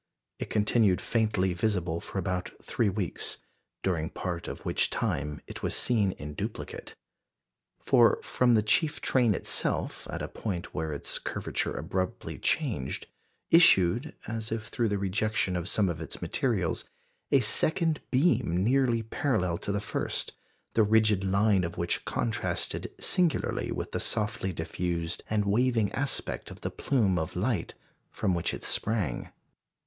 It continued faintly visible for about three weeks, during part of which time it was seen in duplicate. For from the chief train itself, at a point where its curvature abruptly changed, issued, as if through the rejection of some of its materials, a second beam nearly parallel to the first, the rigid line of which contrasted singularly with the softly diffused and waving aspect of the plume of light from which it sprang.